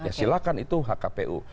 ya silahkan itu hak kpu